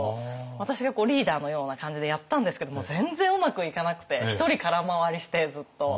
私がリーダーのような感じでやったんですけどもう全然うまくいかなくて一人空回りしてずっと。